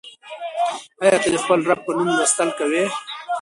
آیا ته د خپل رب په نوم لوستل کوې؟